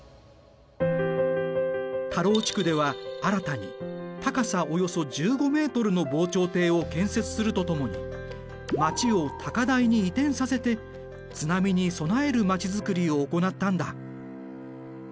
田老地区では新たに高さおよそ１５ｍの防潮堤を建設するとともに町を高台に移転させて津波に備えるまちづくりを行ったんだ。